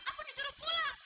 aku disuruh pulang